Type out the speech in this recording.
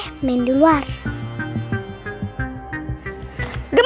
gemoy ini baloknya udah